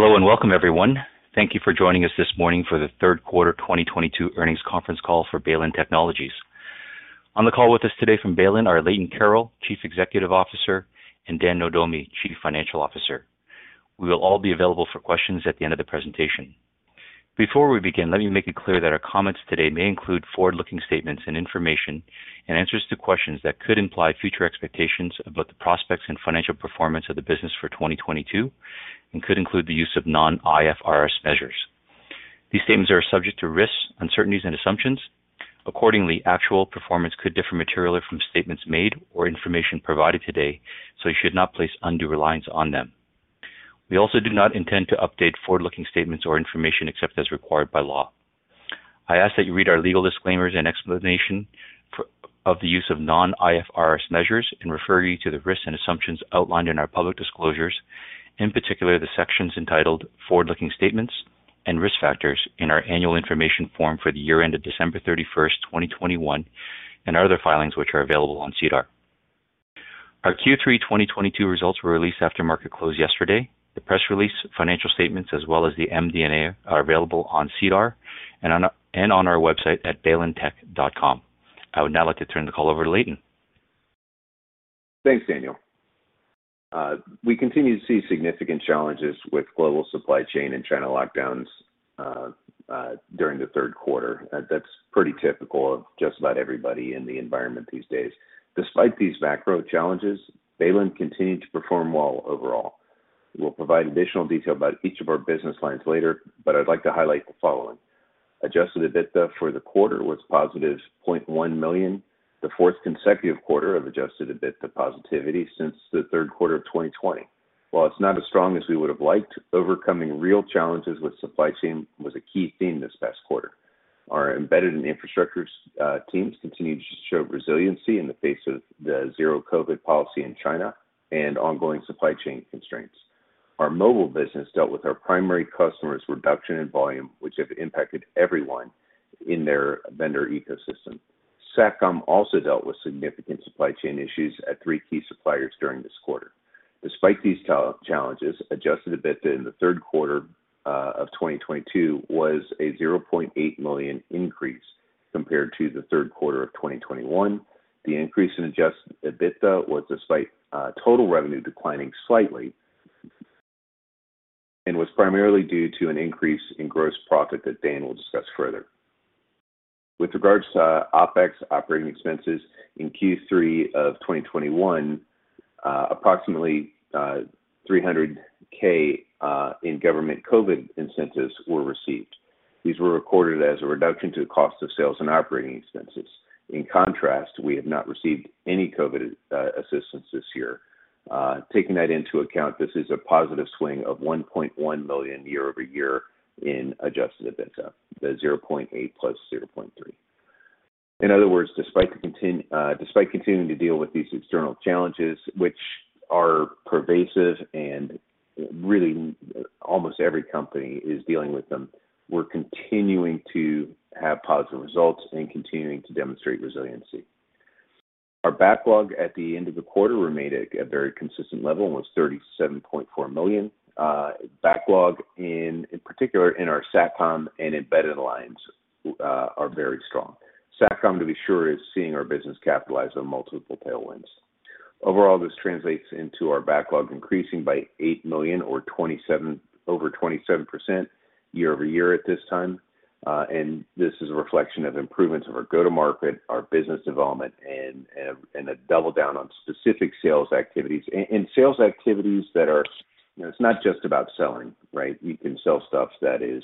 Hello and welcome, everyone. Thank you for joining us this morning for the Q3 2022 earnings conference call for Baylin Technologies. On the call with us today from Baylin are Leighton Carroll, Chief Executive Officer, and Dan Nohdomi, Chief Financial Officer. We will all be available for questions at the end of the presentation. Before we begin, let me make it clear that our comments today may include forward-looking statements and information and answers to questions that could imply future expectations about the prospects and financial performance of the business for 2022 and could include the use of non-IFRS measures. These statements are subject to risks, uncertainties and assumptions. Accordingly, actual performance could differ materially from statements made or information provided today, so you should not place undue reliance on them. We also do not intend to update forward-looking statements or information except as required by law. I ask that you read our legal disclaimers and explanation of the use of non-IFRS measures and refer you to the risks and assumptions outlined in our public disclosures, in particular the sections entitled Forward-Looking Statements and Risk Factors in our Annual Information Form for the year ended December 31, 2021, and our other filings which are available on SEDAR. Our Q3 2022 results were released after market close yesterday. The press release, financial statements, as well as the MD&A are available on SEDAR and on our website at baylintech.com. I would now like to turn the call over to Leighton. Thanks, Daniel. We continue to see significant challenges with global supply chain and China lockdowns during the Q3. That's pretty typical of just about everybody in the environment these days. Despite these macro challenges, Baylin continued to perform well overall. We'll provide additional detail about each of our business lines later, but I'd like to highlight the following. Adjusted EBITDA for the quarter was positive 0.1 million, the 4th consecutive quarter of adjusted EBITDA positivity since the Q3 of 2020. While it's not as strong as we would have liked, overcoming real challenges with supply chain was a key theme this past quarter. Our embedded and infrastructure teams continued to show resiliency in the face of the zero-COVID policy in China and ongoing supply chain constraints. Our mobile business dealt with our primary customers' reduction in volume, which have impacted everyone in their vendor ecosystem. SATCOM also dealt with significant supply chain issues at 3 key suppliers during this quarter. Despite these challenges, adjusted EBITDA in the Q3 of 2022 was a 0.8 million increase compared to the Q3 of 2021. The increase in adjusted EBITDA was despite total revenue declining slightly and was primarily due to an increase in gross profit that Dan will discuss further. With regards to OpEx operating expenses, in Q3 of 2021, approximately 300,000 in government COVID incentives were received. These were recorded as a reduction to the cost of sales and operating expenses. In contrast, we have not received any COVID assistance this year. Taking that into account, this is a positive swing of 1.1 million year-over-year in adjusted EBITDA, the 0.8 + 0.3. In other words, despite continuing to deal with these external challenges, which are pervasive and really almost every company is dealing with them, we're continuing to have positive results and continuing to demonstrate resiliency. Our backlog at the end of the quarter remained at a very consistent level, almost 37.4 million. Backlog in particular in our SATCOM and embedded lines are very strong. SATCOM, to be sure, is seeing our business capitalize on multiple tailwinds. Overall, this translates into our backlog increasing by 8 million or over 27% year-over-year at this time. This is a reflection of improvements of our go-to-market, our business development, and a double down on specific sales activities and sales activities that are, you know, it's not just about selling, right? You can sell stuff that is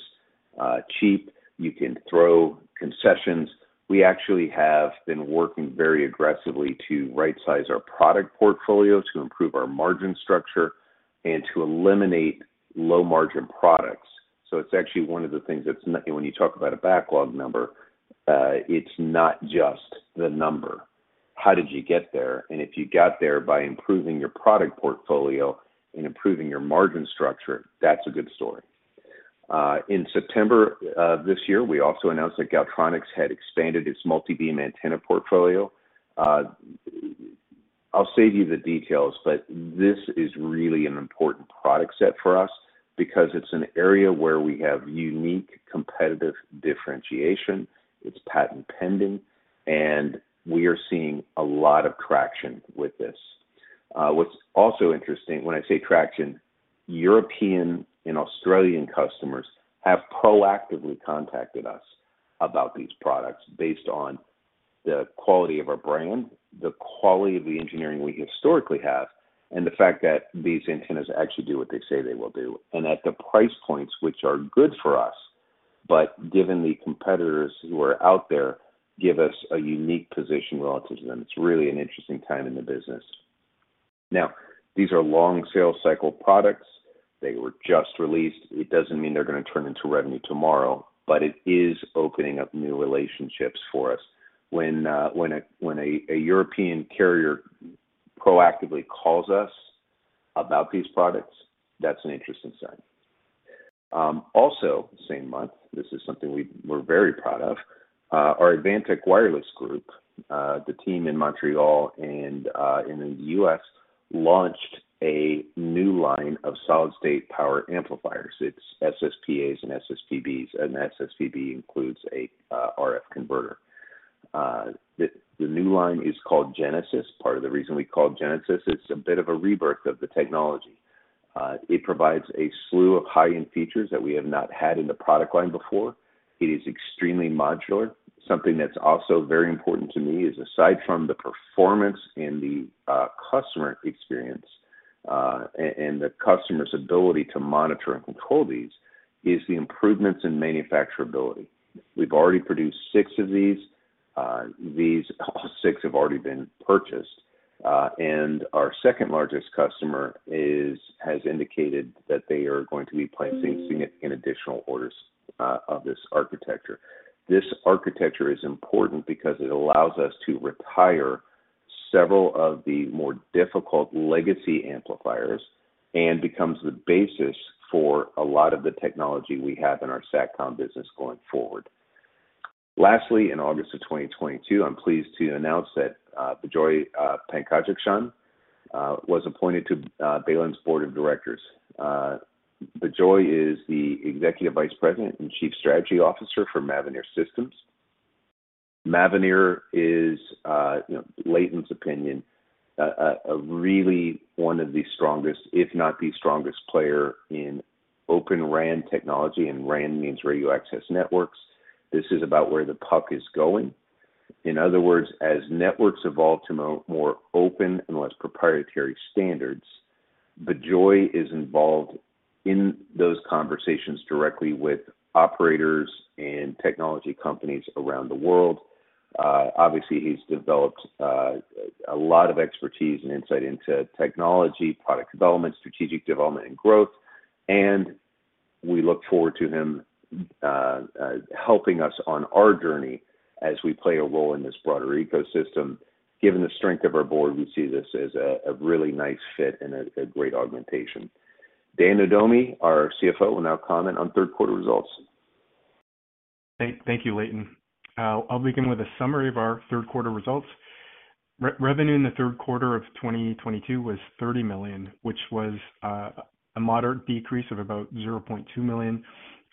cheap. You can throw concessions. We actually have been working very aggressively to right-size our product portfolio to improve our margin structure and to eliminate low-margin products. It's actually one of the things that's, when you talk about a backlog number, it's not just the number. How did you get there? If you got there by improving your product portfolio and improving your margin structure, that's a good story. In September this year, we also announced that Galtronics had expanded its multibeam antenna portfolio. I'll save you the details, but this is really an important product set for us because it's an area where we have unique competitive differentiation. It's patent pending, and we are seeing a lot of traction with this. What's also interesting, when I say traction, European and Australian customers have proactively contacted us about these products based on the quality of our brand, the quality of the engineering we historically have, and the fact that these antennas actually do what they say they will do, and at the price points which are good for us. Given the competitors who are out there, give us a unique position relative to them. It's really an interesting time in the business. Now, these are long sales cycle products. They were just released. It doesn't mean they're gonna turn into revenue tomorrow, but it is opening up new relationships for us. When a European carrier proactively calls us about these products, that's an interesting sign. Also same month, this is something we're very proud of, our Advantech Wireless group, the team in Montreal and in the U.S. launched a new line of solid-state power amplifiers. It's SSPAs and SSPBs, and SSPB includes a RF converter. The new line is called Genesis. Part of the reason we called Genesis, it's a bit of a rebirth of the technology. It provides a slew of high-end features that we have not had in the product line before. It is extremely modular. Something that's also very important to me is aside from the performance and the customer experience and the customer's ability to monitor and control these, is the improvements in manufacturability. We've already produced 6 of these. These all 6 have already been purchased. Our second-largest customer has indicated that they are going to be placing significant additional orders of this architecture. This architecture is important because it allows us to retire several of the more difficult legacy amplifiers and becomes the basis for a lot of the technology we have in our SATCOM business going forward. Lastly, in August 2022, I'm pleased to announce that Bejoy Pankajakshan was appointed to Baylin's board of directors. Bejoy is the Executive Vice President and Chief Strategy Officer for Mavenir Systems. Mavenir is, you know, Leighton's opinion, a really one of the strongest, if not the strongest player in Open RAN technology, and RAN means Radio Access Networks. This is about where the puck is going. In other words, as networks evolve to more open and less proprietary standards, Bejoy is involved in those conversations directly with operators and technology companies around the world. Obviously, he's developed a lot of expertise and insight into technology, product development, strategic development, and growth, and we look forward to him helping us on our journey as we play a role in this broader ecosystem. Given the strength of our board, we see this as a really nice fit and a great augmentation. Dan Nohdomi, our CFO, will now comment on Q3 results. Thank you, Leighton. I'll begin with a summary of our Q3 results. Revenue in the Q3 of 2022 was 30 million, which was a moderate decrease of about 0.2 million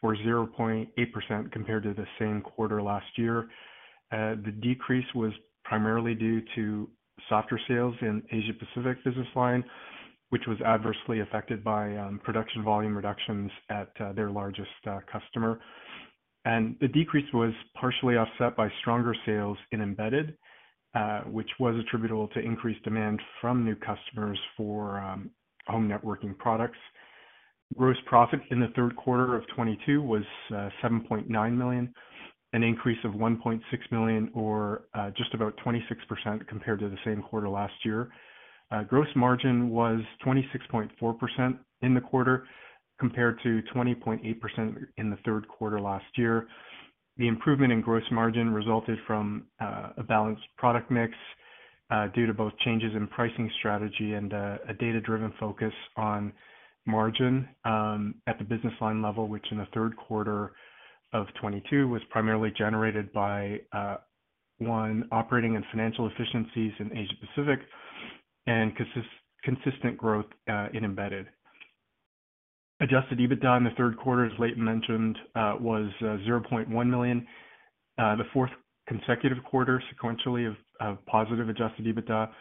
or 0.8% compared to the same quarter last year. The decrease was primarily due to softer sales in Asia-Pacific business line, which was adversely affected by production volume reductions at their largest customer. The decrease was partially offset by stronger sales in Embedded, which was attributable to increased demand from new customers for home networking products. Gross profit in the Q3 of 2022 was 7.9 million, an increase of 1.6 million or just about 26% compared to the same quarter last year. Gross margin was 26.4% in the quarter compared to 20.8% in the Q3 last year. The improvement in gross margin resulted from a balanced product mix due to both changes in pricing strategy and a data-driven focus on margin at the business line level, which in the Q3 of 2022 was primarily generated by operating and financial efficiencies in Asia-Pacific and consistent growth in Embedded. Adjusted EBITDA in the Q3, as Leighton mentioned, was 0.1 million, the 4th consecutive quarter sequentially of positive adjusted EBITDA.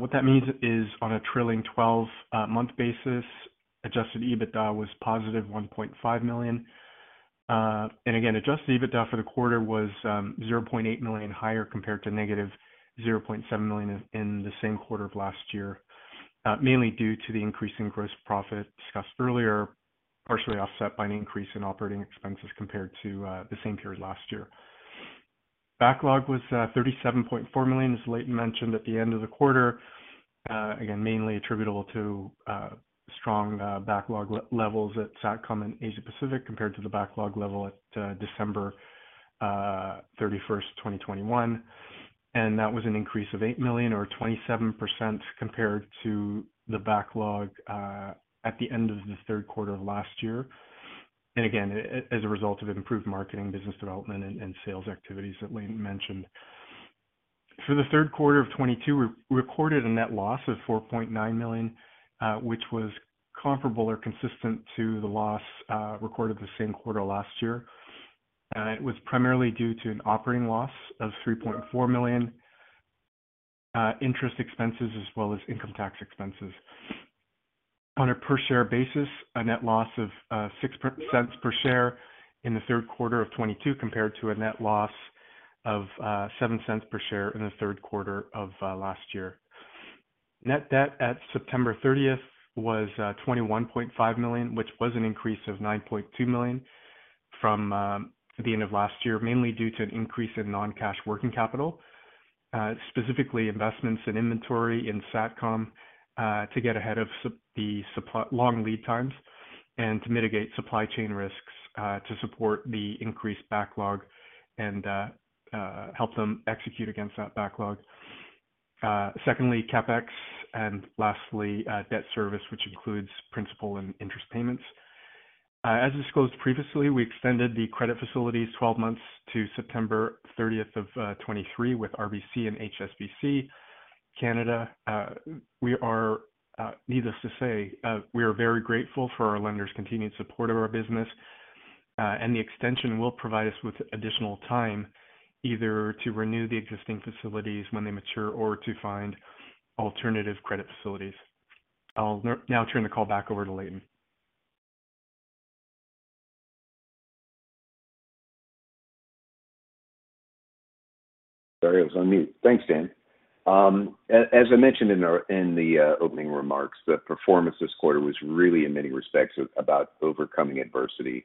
What that means is on a trailing 12-month basis, adjusted EBITDA was positive 1.5 million. Again, adjusted EBITDA for the quarter was 0.8 million higher compared to negative 0.7 million in the same quarter of last year, mainly due to the increase in gross profit discussed earlier, partially offset by an increase in operating expenses compared to the same period last year. Backlog was 37.4 million, as Leighton mentioned at the end of the quarter. Again, mainly attributable to strong backlog levels at SATCOM in Asia-Pacific compared to the backlog level at December 31, 2021. That was an increase of 8 million or 27% compared to the backlog at the end of the Q3 of last year. Again, as a result of improved marketing, business development, and sales activities that Leighton mentioned. For the Q3 of 2022, we recorded a net loss of 4.9 million, which was comparable or consistent to the loss recorded the same quarter last year. It was primarily due to an operating loss of 3.4 million, interest expenses, as well as income tax expenses. On a per share basis, a net loss of 6 cents per share in the Q3 of 2022 compared to a net loss of 7 cents per share in the Q3 of last year. Net debt at September 30th was 21.5 million, which was an increase of 9.2 million from the end of last year, mainly due to an increase in non-cash working capital, specifically investments in inventory in SATCOM to get ahead of long lead times and to mitigate supply chain risks to support the increased backlog and help them execute against that backlog. Secondly, CapEx, and lastly, debt service, which includes principal and interest payments. As disclosed previously, we extended the credit facilities 12 months to September 30th of 2023 with RBC and HSBC Canada. We are needless to say very grateful for our lenders' continued support of our business, and the extension will provide us with additional time either to renew the existing facilities when they mature or to find alternative credit facilities. I'll now turn the call back over to Leighton. Sorry, I was on mute. Thanks, Dan. As I mentioned in the opening remarks, the performance this quarter was really, in many respects, about overcoming adversity.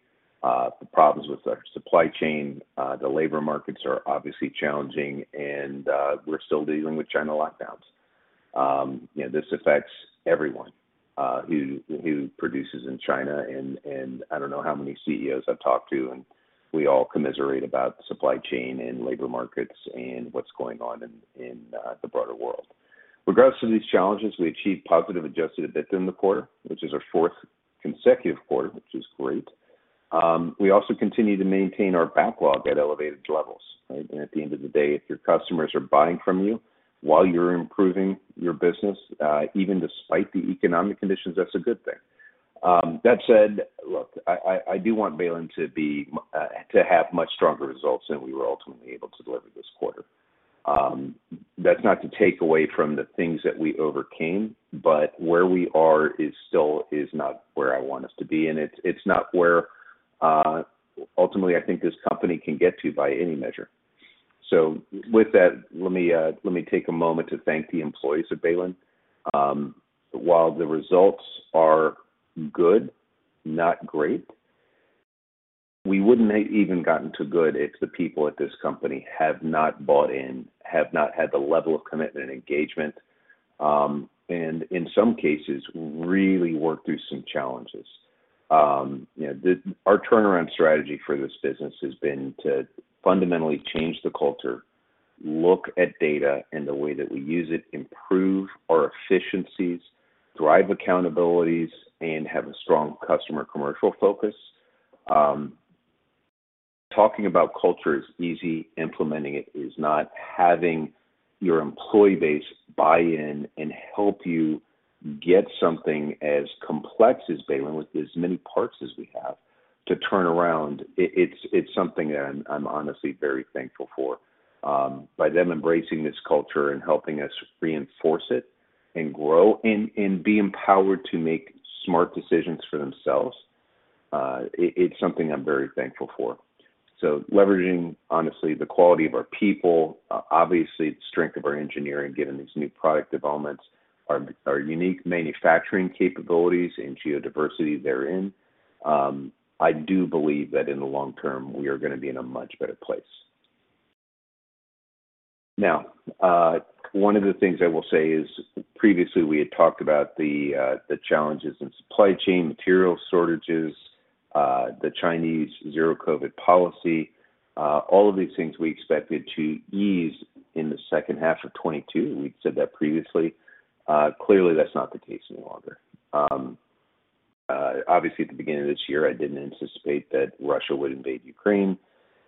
The problems with our supply chain, the labor markets are obviously challenging and, we're still dealing with China lockdowns. You know, this affects everyone who produces in China and I don't know how many CEOs I've talked to, and we all commiserate about supply chain and labor markets and what's going on in the broader world. Regardless of these challenges, we achieved positive adjusted EBITDA in the quarter, which is our 4th consecutive quarter, which is great. We also continue to maintain our backlog at elevated levels, right? At the end of the day, if your customers are buying from you while you're improving your business, even despite the economic conditions, that's a good thing. That said, look, I do want Baylin to have much stronger results than we were ultimately able to deliver this quarter. That's not to take away from the things that we overcame, but where we are is still not where I want us to be, and it's not where ultimately I think this company can get to by any measure. With that, let me take a moment to thank the employees of Baylin. While the results are good, not great, we wouldn't have even gotten to good if the people at this company have not bought in, have not had the level of commitment and engagement, and in some cases really work through some challenges. You know, our turnaround strategy for this business has been to fundamentally change the culture, look at data and the way that we use it, improve our efficiencies, drive accountabilities, and have a strong customer commercial focus. Talking about culture is easy. Implementing it is not. Having your employee base buy in and help you get something as complex as Baylin with as many parts as we have to turn around, it's something that I'm honestly very thankful for. By them embracing this culture and helping us reinforce it and grow and be empowered to make smart decisions for themselves, it's something I'm very thankful for. Leveraging, honestly, the quality of our people, obviously the strength of our engineering, given these new product developments, our unique manufacturing capabilities and geodiversity therein, I do believe that in the long term, we are gonna be in a much better place. Now, one of the things I will say is previously we had talked about the challenges in supply chain, material shortages, the Chinese zero-COVID policy, all of these things we expected to ease in the H2 of 2022. We've said that previously. Clearly, that's not the case any longer. Obviously, at the beginning of this year, I didn't anticipate that Russia would invade Ukraine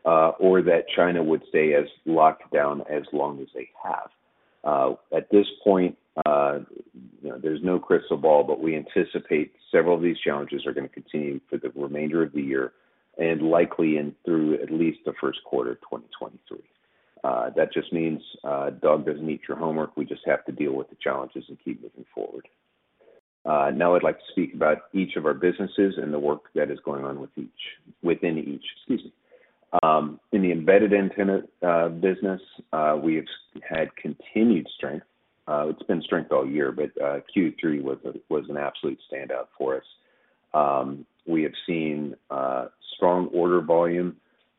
or that China would stay as locked down as long as they have. At this point, you know, there's no crystal ball, but we anticipate several of these challenges are gonna continue for the remainder of the year and likely into at least the Q1 of 2023. That just means dog doesn't eat your homework. We just have to deal with the challenges and keep moving forward. Now I'd like to speak about each of our businesses and the work that is going on within each, excuse me. In the Embedded Antenna business, we have had continued strength. It's been strong all year, but Q3 was an absolute standout for us. We have seen strong order volume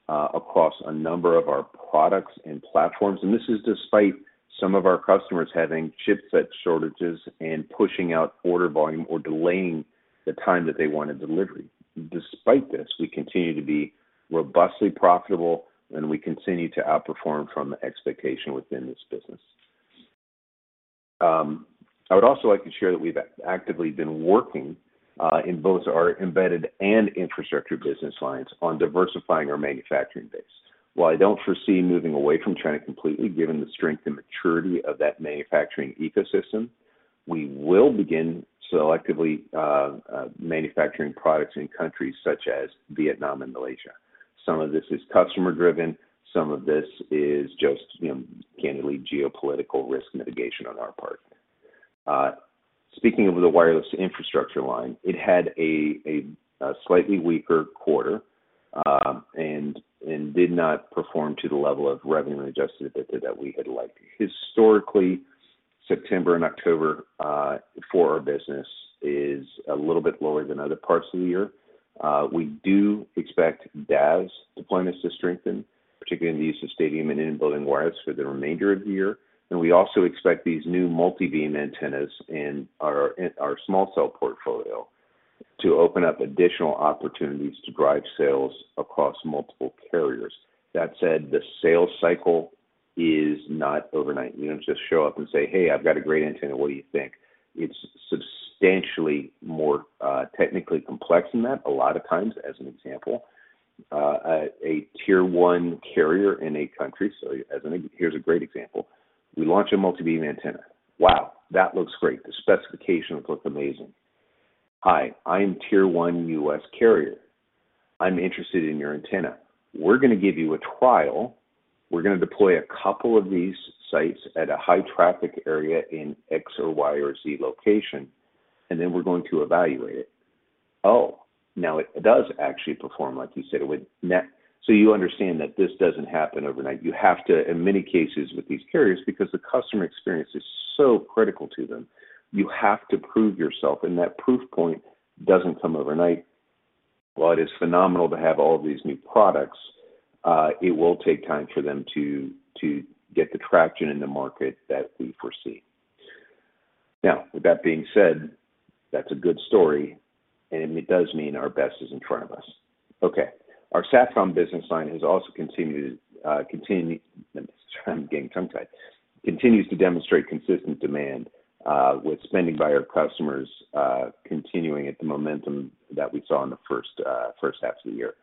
across a number of our products and platforms, and this is despite some of our customers having chipset shortages and pushing out order volume or delaying the time that they want a delivery. Despite this, we continue to be robustly profitable, and we continue to outperform from the expectation within this business. I would also like to share that we've actively been working in both our embedded and infrastructure business lines on diversifying our manufacturing base. While I don't foresee moving away from China completely, given the strength and maturity of that manufacturing ecosystem, we will begin selectively manufacturing products in countries such as Vietnam and Malaysia. Some of this is customer-driven, some of this is just, you know, candidly geopolitical risk mitigation on our part. Speaking of the Wireless Infrastructure line, it had a slightly weaker quarter and did not perform to the level of revenue and adjusted EBITDA that we had liked. Historically, September and October for our business is a little bit lower than other parts of the year. We do expect DAS deployments to strengthen, particularly in the use of stadium and in-building wireless for the remainder of the year. We also expect these new multi-beam antennas in our small cell portfolio to open up additional opportunities to drive sales across multiple carriers. That said, the sales cycle is not overnight. You don't just show up and say, "Hey, I've got a great antenna, what do you think?" It's substantially more technically complex than that a lot of times. As an example, a Tier 1 carrier in a country. Here's a great example. We launch a multibeam antenna. Wow. That looks great. The specifications look amazing. Hi, I'm Tier one U.S. carrier. I'm interested in your antenna. We're gonna give you a trial. We're gonna deploy a couple of these sites at a high traffic area in X or Y or Z location, and then we're going to evaluate it. Oh, now it does actually perform like you said it would. You understand that this doesn't happen overnight. You have to, in many cases with these carriers, because the customer experience is so critical to them, you have to prove yourself, and that proof point doesn't come overnight. While it is phenomenal to have all of these new products, it will take time for them to get the traction in the market that we foresee. Now, with that being said, that's a good story, and it does mean our best is in front of us. Okay. Our SATCOM business line continues to demonstrate consistent demand with spending by our customers continuing at the momentum that we saw in the H1 of the year.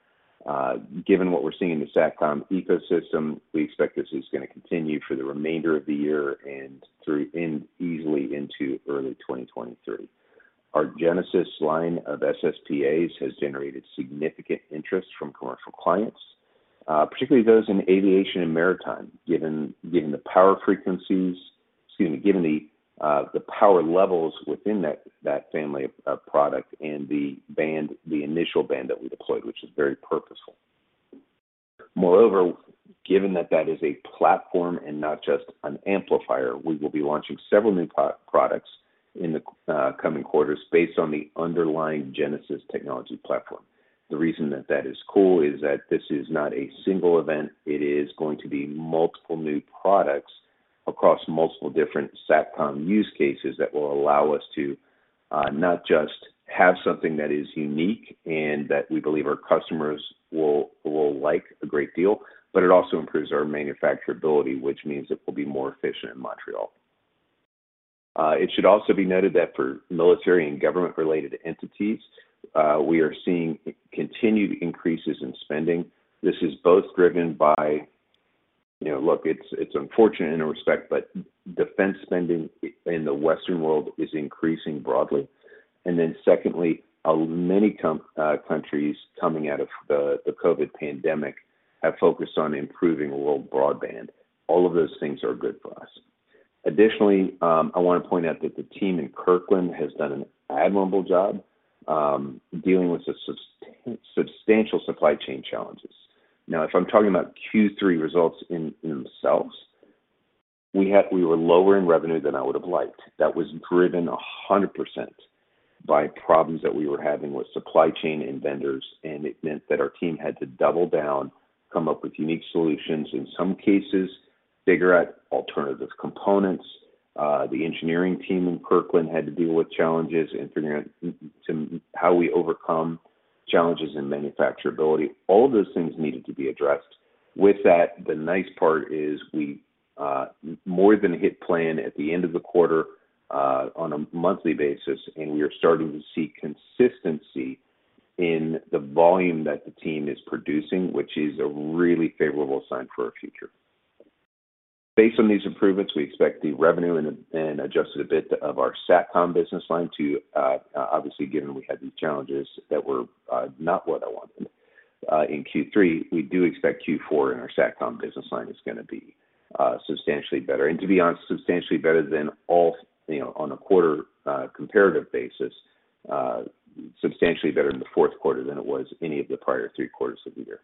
Given what we're seeing in the SATCOM ecosystem, we expect this is gonna continue for the remainder of the year and through and easily into early 2023. Our Genesis line of SSPA has generated significant interest from commercial clients, particularly those in aviation and maritime, given the power frequencies. Excuse me, given the power levels within that family of product and the band, the initial band that we deployed, which is very purposeful. Moreover, given that is a platform and not just an amplifier, we will be launching several new products in the coming quarters based on the underlying Genesis technology platform. The reason that is cool is that this is not a single event, it is going to be multiple new products across multiple different SATCOM use cases that will allow us to not just have something that is unique and that we believe our customers will like a great deal, but it also improves our manufacturability, which means it will be more efficient in Montreal. It should also be noted that for military and government related entities, we are seeing continued increases in spending. This is both driven by, you know. Look, it's unfortunate in a respect, but defense spending in the Western world is increasing broadly. Secondly, many countries coming out of the COVID pandemic have focused on improving worldwide broadband. All of those things are good for us. Additionally, I wanna point out that the team in Kirkland has done an admirable job dealing with substantial supply chain challenges. Now, if I'm talking about Q3 results in themselves, we were lower in revenue than I would've liked. That was driven 100% by problems that we were having with supply chain and vendors, and it meant that our team had to double down, come up with unique solutions, in some cases, figure out alternative components. The engineering team in Kirkland had to deal with engineering and manufacturing challenges to how we overcome challenges in manufacturability. All of those things needed to be addressed. With that, the nice part is we more than hit plan at the end of the quarter on a monthly basis, and we are starting to see consistency in the volume that the team is producing, which is a really favorable sign for our future. Based on these improvements, we expect the revenue and adjusted a bit of our SATCOM business line to obviously, given we had these challenges that were not what I wanted in Q3, we do expect Q4 in our SATCOM business line is gonna be substantially better. To be honest, substantially better than all, you know, on a quarter comparative basis. Substantially better in the Q4 than it was any of the prior 3 quarters of the year.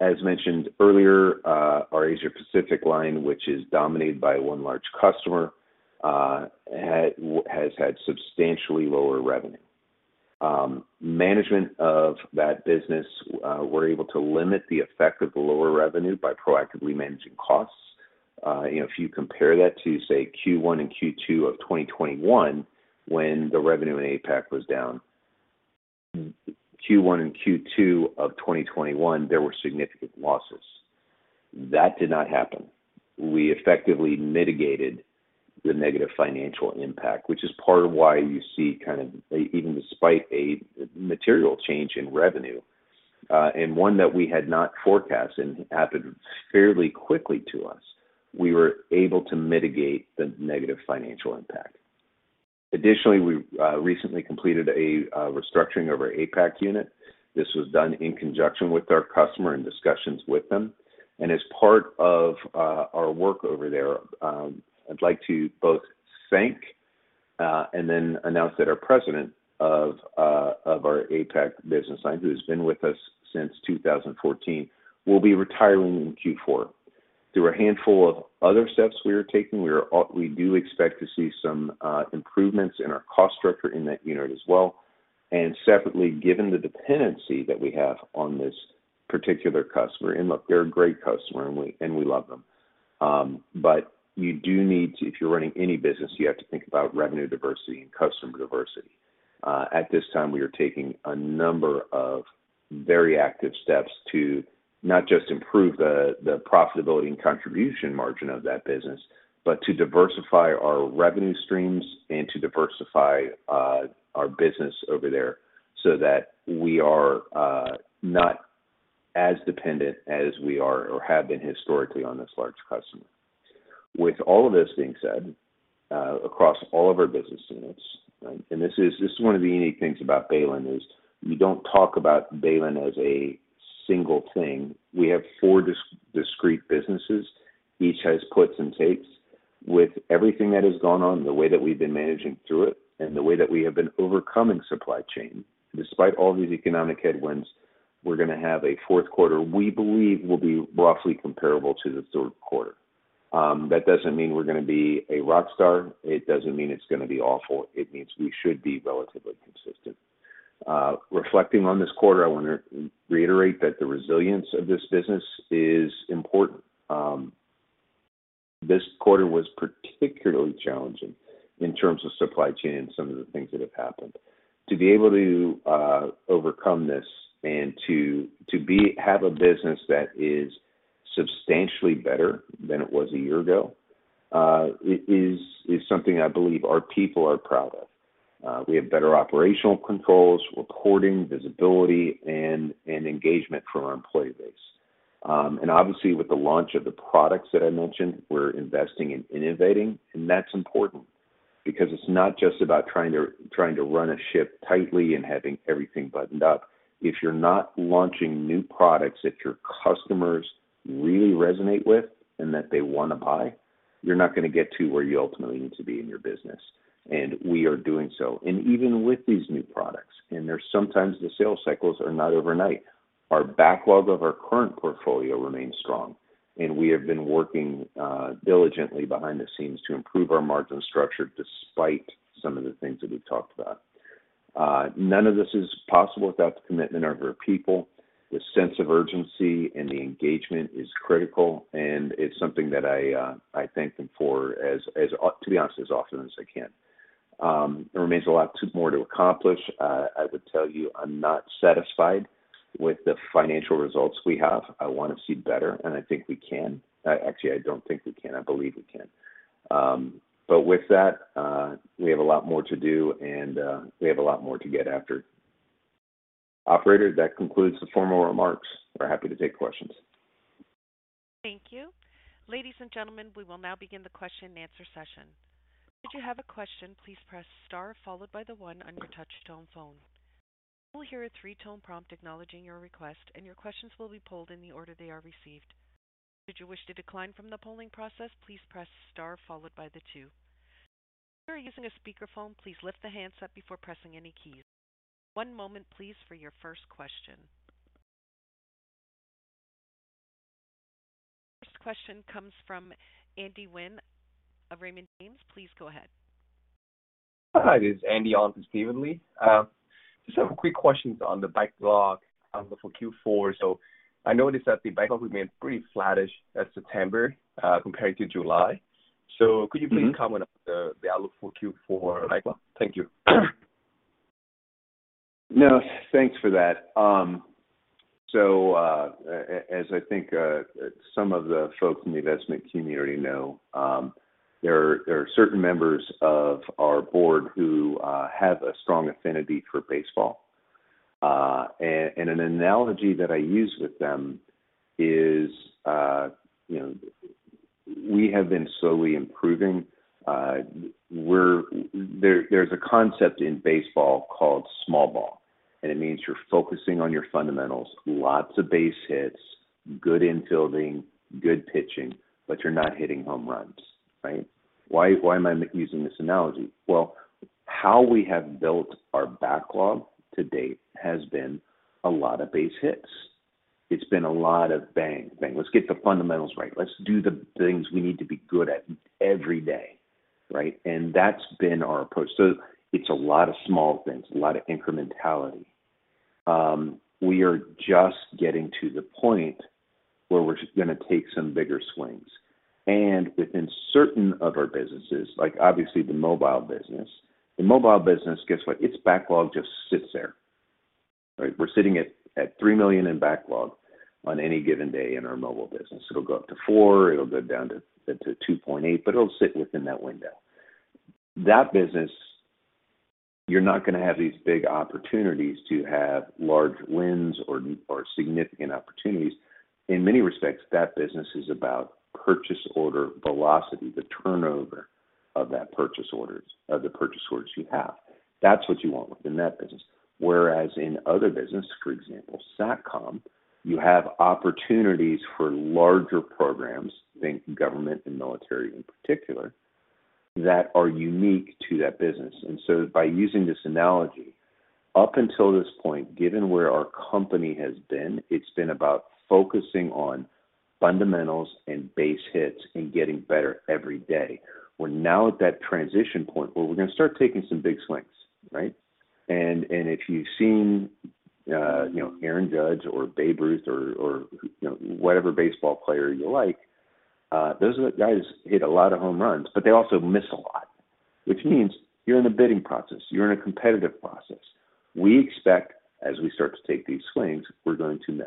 As mentioned earlier, our Asia Pacific line, which is dominated by one large customer, has had substantially lower revenue. Management of that business, we're able to limit the effect of the lower revenue by proactively managing costs. You know, if you compare that to, say, Q1 and Q2 of 2021, when the revenue in APAC was down. Q1 and Q2 of 2021, there were significant losses. That did not happen. We effectively mitigated the negative financial impact, which is part of why you see kind of even despite a material change in revenue, and one that we had not forecasted and happened fairly quickly to us, we were able to mitigate the negative financial impact. Additionally, we recently completed a restructuring of our APAC unit. This was done in conjunction with our customer in discussions with them. As part of our work over there, I'd like to both thank and then announce that our president of our APAC business line, who has been with us since 2014, will be retiring in Q4. Through a handful of other steps we are taking, we do expect to see some improvements in our cost structure in that unit as well. Separately, given the dependency that we have on this particular customer, and look, they're a great customer, and we love them. You do need to. If you're running any business, you have to think about revenue diversity and customer diversity. At this time, we are taking a number of very active steps to not just improve the profitability and contribution margin of that business, but to diversify our revenue streams and to diversify our business over there so that we are not as dependent as we are or have been historically on this large customer. With all of this being said, across all of our business units, right? This is one of the unique things about Baylin, is you don't talk about Baylin as a single thing. We have 4 discrete businesses. Each has puts and takes. With everything that has gone on, the way that we've been managing through it and the way that we have been overcoming supply chain, despite all these economic headwinds, we're gonna have a Q4 we believe will be roughly comparable to the Q3. That doesn't mean we're gonna be a rock star. It doesn't mean it's gonna be awful. It means we should be relatively consistent. Reflecting on this quarter, I wanna reiterate that the resilience of this business is important. This quarter was particularly challenging in terms of supply chain and some of the things that have happened. To be able to overcome this and to have a business that is substantially better than it was a year ago, is something I believe our people are proud of. We have better operational controls, reporting, visibility, and engagement from our employee base. Obviously, with the launch of the products that I mentioned, we're investing in innovating, and that's important because it's not just about trying to run a ship tightly and having everything buttoned up. If you're not launching new products that your customers really resonate with and that they wanna buy, you're not gonna get to where you ultimately need to be in your business. We are doing so. Even with these new products, there's sometimes the sales cycles are not overnight. Our backlog of our current portfolio remains strong, and we have been working diligently behind the scenes to improve our margin structure despite some of the things that we've talked about. None of this is possible without the commitment of our people. The sense of urgency and the engagement is critical, and it's something that I thank them for as, to be honest, as often as I can. There remains more to accomplish. I would tell you I'm not satisfied with the financial results we have. I wanna see better, and I think we can. Actually, I don't think we can. I believe we can. With that, we have a lot more to do, and we have a lot more to get after. Operator, that concludes the formal remarks. We're happy to take questions. Thank you. Ladies and gentlemen, we will now begin the Q&A session. Should you have a question, please press star followed by the one on your touch tone phone. You will hear a 3-tone prompt acknowledging your request, and your questions will be polled in the order they are received. Should you wish to decline from the polling process, please press star followed by the 2. If you are using a speakerphone, please lift the handset before pressing any keys. One moment please for your first question. First question comes from Andy Wynn of Raymond James. Please go ahead. Hi, this is Andy, on for Steven Li. I just have a quick question on the backlog for Q4. I noticed that the backlog remained pretty flattish as of September compared to July. Could you please? Mm-hmm. Comment on the outlook for Q4 backlog? Thank you. No, thanks for that. So, as I think some of the folks in the investment community know, there are certain members of our board who have a strong affinity for baseball. And an analogy that I use with them is, you know, we have been slowly improving. There's a concept in baseball called small ball, and it means you're focusing on your fundamentals, lots of base hits, good infielding, good pitching, but you're not hitting home runs, right? Why am I using this analogy? Well, how we have built our backlog to date has been a lot of base hits. It's been a lot of bang. Let's get the fundamentals right. Let's do the things we need to be good at every day, right? That's been our approach. It's a lot of small things, a lot of incrementality. We are just getting to the point where we're gonna take some bigger swings. Within certain of our businesses, like obviously the mobile business, guess what? Its backlog just sits there. We're sitting at 3 million in backlog on any given day in our mobile business. It'll go up to 4 million, it'll go down to 2.8 million, but it'll sit within that window. That business, you're not gonna have these big opportunities to have large wins or significant opportunities. In many respects, that business is about purchase order velocity, the turnover of the purchase orders you have. That's what you want within that business. Whereas in other business, for example, SATCOM, you have opportunities for larger programs, think government and military in particular, that are unique to that business. By using this analogy, up until this point, given where our company has been, it's been about focusing on fundamentals and base hits and getting better every day. We're now at that transition point where we're going to start taking some big swings, right? If you've seen, you know, Aaron Judge or Babe Ruth or, you know, whatever baseball player you like, those are the guys hit a lot of home runs, but they also miss a lot. Which means you're in a bidding process, you're in a competitive process. We expect, as we start to take these swings, we're going to miss.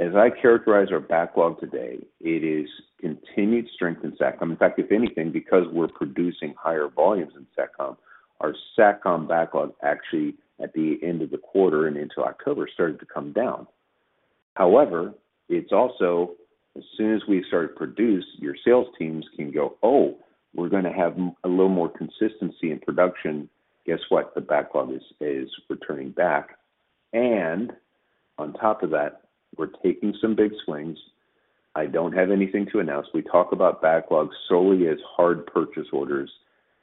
As I characterize our backlog today, it is continued strength in SATCOM. In fact, if anything, because we're producing higher volumes in SATCOM, our SATCOM backlog actually at the end of the quarter and into October started to come down. However, it's also as soon as we start to produce, your sales teams can go, "Oh, we're gonna have a little more consistency in production." Guess what? The backlog is returning back. On top of that, we're taking some big swings. I don't have anything to announce. We talk about backlogs solely as hard purchase orders,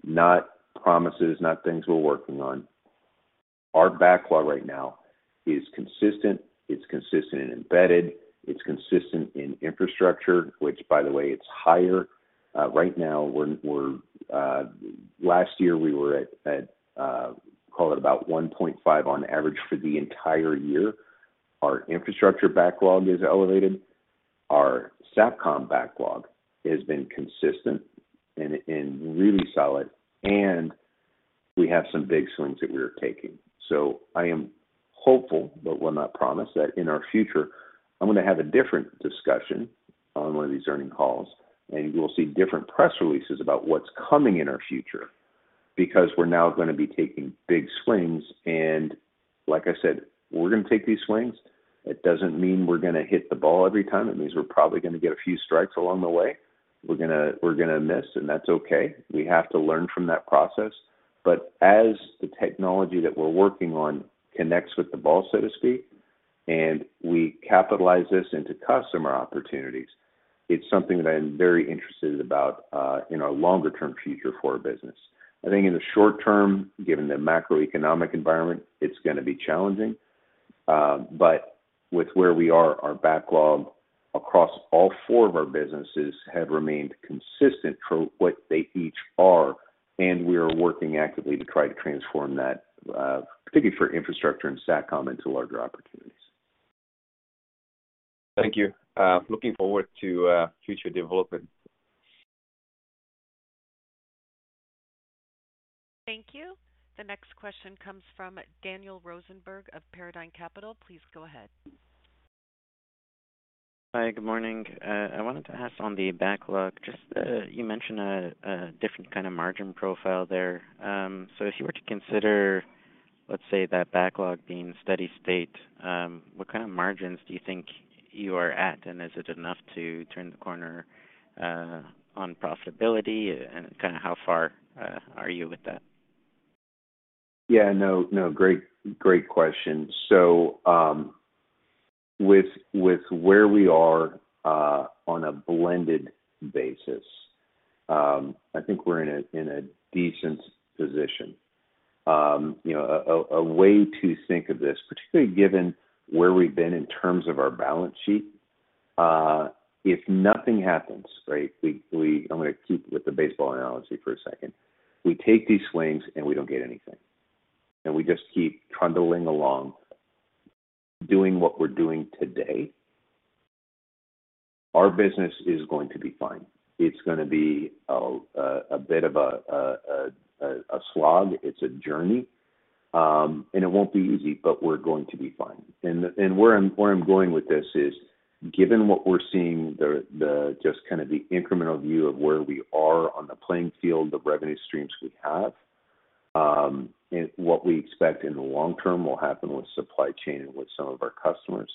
not promises, not things we're working on. Our backlog right now is consistent. It's consistent in Embedded, it's consistent in Infrastructure, which by the way, it's higher. Last year we were at call it about 1.5 on average for the entire year. Our Infrastructure backlog is elevated. Our SATCOM backlog has been consistent and really solid, and we have some big swings that we are taking. I am hopeful, but will not promise that in our future, I'm gonna have a different discussion on one of these earnings calls, and you'll see different press releases about what's coming in our future, because we're now gonna be taking big swings and like I said, we're gonna take these swings. It doesn't mean we're gonna hit the ball every time. It means we're probably gonna get a few strikes along the way. We're gonna miss, and that's okay. We have to learn from that process. As the technology that we're working on connects with the ball, so to speak, and we capitalize this into customer opportunities, it's something that I'm very interested about in our longer term future for our business. I think in the short term, given the macroeconomic environment, it's gonna be challenging. With where we are, our backlog across all 4 of our businesses have remained consistent for what they each are, and we are working actively to try to transform that, particularly for Infrastructure and SATCOM into larger opportunities. Thank you. Looking forward to future development. Thank you. The next question comes from Daniel Rosenberg of Paradigm Capital. Please go ahead. Hi. Good morning. I wanted to ask on the backlog, just, you mentioned a different kind of margin profile there. If you were to consider, let's say, that backlog being steady state, what kind of margins do you think you are at? And is it enough to turn the corner on profitability? And kind of how far are you with that? Great question. With where we are, on a blended basis, I think we're in a decent position. You know, a way to think of this, particularly given where we've been in terms of our balance sheet. If nothing happens, right? I'm gonna keep with the baseball analogy for a second. We take these swings and we don't get anything, and we just keep trundling along doing what we're doing today. Our business is going to be fine. It's gonna be a bit of a slog. It's a journey. It won't be easy, but we're going to be fine. Where I'm going with this is, given what we're seeing, the just kind of the incremental view of where we are on the playing field, the revenue streams we have, and what we expect in the long term will happen with supply chain and with some of our customers,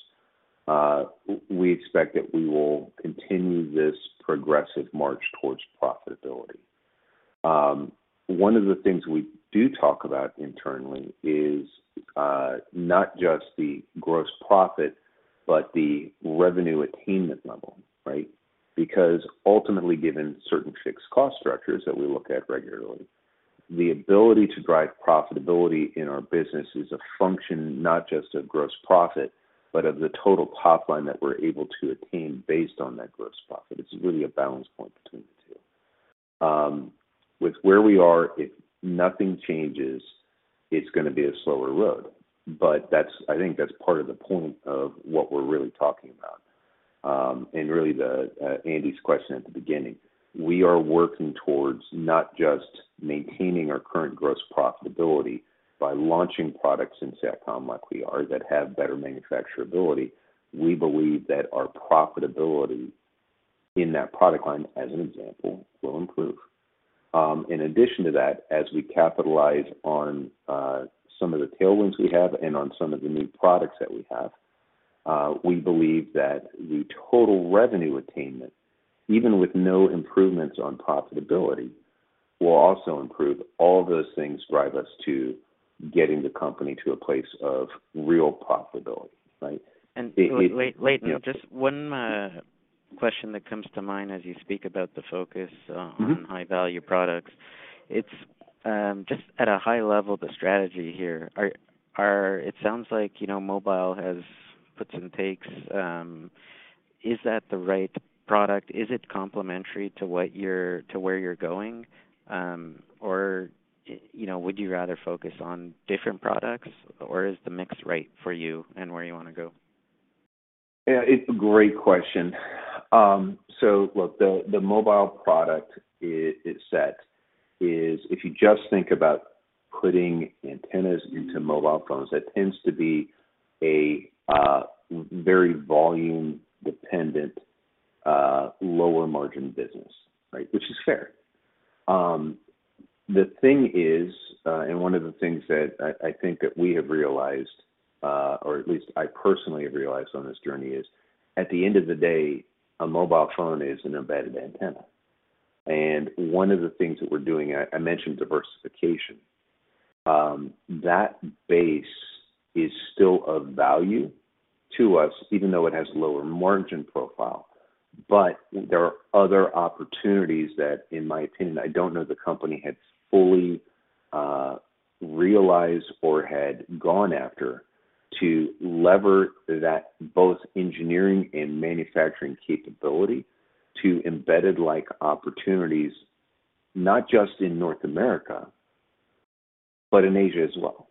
we expect that we will continue this progressive march towards profitability. One of the things we do talk about internally is not just the gross profit, but the revenue attainment level, right? Because ultimately, given certain fixed cost structures that we look at regularly, the ability to drive profitability in our business is a function not just of gross profit, but of the total top line that we're able to attain based on that gross profit. It's really a balance point between the 2. With where we are, if nothing changes, it's gonna be a slower road. That's, I think, part of the point of what we're really talking about. Really Andy's question at the beginning. We are working towards not just maintaining our current gross profitability by launching products in SATCOM like we are, that have better manufacturability. We believe that our profitability in that product line, as an example, will improve. In addition to that, as we capitalize on some of the tailwinds we have and on some of the new products that we have, we believe that the total revenue attainment, even with no improvements on profitability, will also improve. All those things drive us to getting the company to a place of real profitability, right? Leighton, just one question that comes to mind as you speak about the focus. Mm-hmm. On high value products. It's just at a high level, the strategy here. Or it sounds like, you know, mobile has puts and takes. Is that the right product? Is it complementary to where you're going? Or, you know, would you rather focus on different products? Or is the mix right for you and where you wanna go? Yeah, it's a great question. So look, the mobile product is, if you just think about putting antennas into mobile phones, that tends to be a very volume-dependent lower margin business, right? Which is fair. The thing is, one of the things that I think that we have realized, or at least I personally have realized on this journey is, at the end of the day, a mobile phone is an Embedded Antenna. One of the things that we're doing, I mentioned diversification. That base is still of value to us, even though it has lower margin profile. There are other opportunities that, in my opinion, I don't know the company had fully realized or had gone after to leverage that both engineering and manufacturing capability to embedded-like opportunities, not just in North America, but in Asia as well.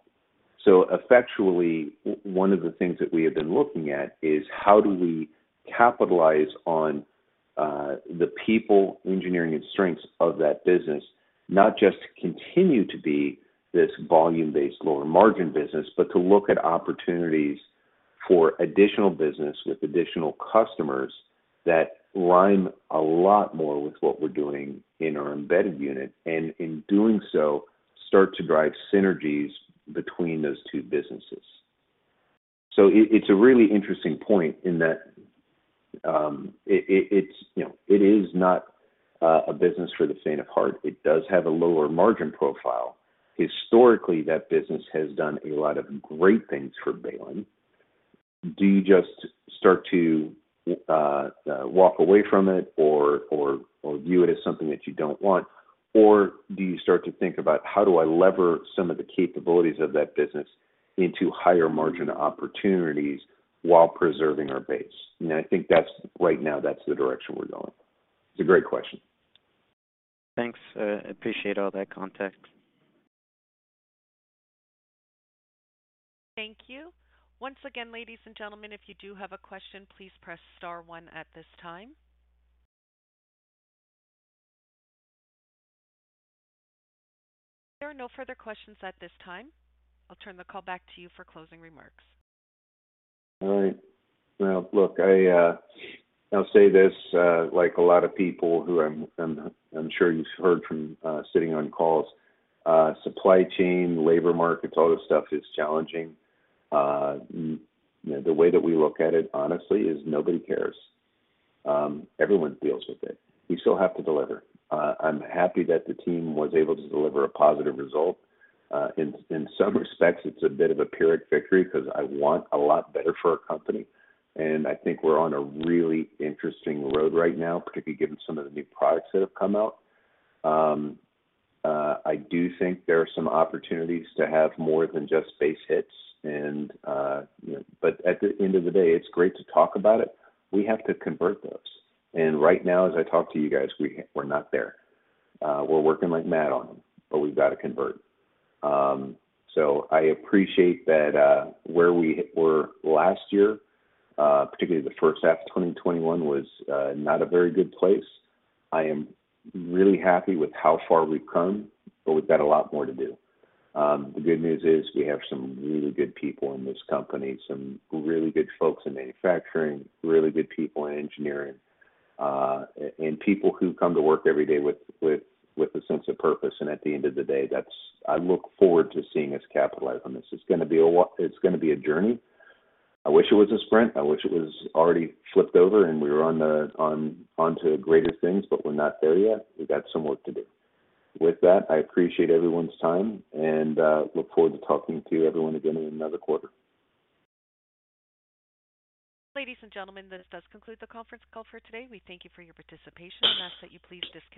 Effectively, one of the things that we have been looking at is how do we capitalize on the people, engineering and strengths of that business, not just to continue to be this volume-based lower margin business, but to look at opportunities for additional business with additional customers that rhyme a lot more with what we're doing in our embedded unit, and in doing so, start to drive synergies between those 2 businesses. It's a really interesting point in that it's, you know, it is not a business for the faint of heart. It does have a lower margin profile. Historically, that business has done a lot of great things for Baylin. Do you just start to walk away from it or view it as something that you don't want? Or do you start to think about how do I lever some of the capabilities of that business into higher margin opportunities while preserving our base? I think that's right now, that's the direction we're going. It's a great question. Thanks. Appreciate all that context. Thank you. Once again, ladies and gentlemen, if you do have a question, please press star one at this time. There are no further questions at this time. I'll turn the call back to you for closing remarks. All right. Well, look, I'll say this, like a lot of people who I'm sure you've heard from, sitting on calls, supply chain, labor markets, all this stuff is challenging. You know, the way that we look at it, honestly, is nobody cares. Everyone deals with it. We still have to deliver. I'm happy that the team was able to deliver a positive result. In some respects, it's a bit of a pyrrhic victory 'cause I want a lot better for our company. I think we're on a really interesting road right now, particularly given some of the new products that have come out. I do think there are some opportunities to have more than just base hits and, you know. At the end of the day, it's great to talk about it, we have to convert those. Right now, as I talk to you guys, we're not there. We're working like mad on them, but we've got to convert. I appreciate that, where we were last year, particularly the H1 of 2021 was not a very good place. I am really happy with how far we've come, but we've got a lot more to do. The good news is we have some really good people in this company, some really good folks in manufacturing, really good people in engineering, and people who come to work every day with a sense of purpose. At the end of the day, that's. I look forward to seeing us capitalize on this. It's gonna be a journey. I wish it was a sprint. I wish it was already flipped over and we were onto greater things, but we're not there yet. We got some work to do. With that, I appreciate everyone's time and look forward to talking to you everyone again in another quarter. Ladies and gentlemen, this does conclude the conference call for today. We thank you for your participation and ask that you please disconnect your.